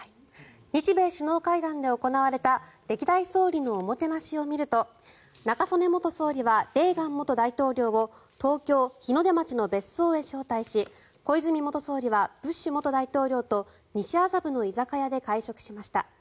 日米首脳会談で行われた歴代総理のおもてなしを見ると中曽根元総理はレーガン元大統領を東京・日の出町の別荘へ招待し小泉元総理はブッシュ元大統領と西麻布の居酒屋で会食しました。